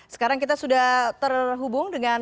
sekarang kita sudah terhubung dengan